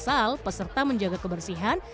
asal peserta menjaga kebersihan